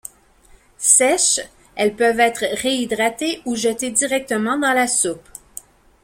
Sèches, elles peuvent être réhydratées ou jetées directement dans la soupe.